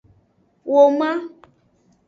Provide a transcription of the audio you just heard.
Woman.